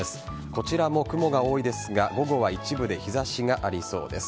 こちらも雲が多いですが午後は一部で日差しがありそうです。